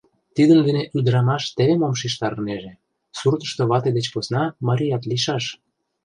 Тидын дене ӱдырамаш теве мом шижтарынеже: суртышто вате деч посна марият лийшаш.